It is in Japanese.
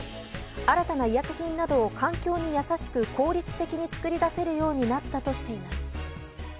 新たな医薬品などを環境に優しく効率的に作り出せるようになったとしています。